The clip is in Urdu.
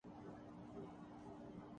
بستر کے درمیان گزرتی ہے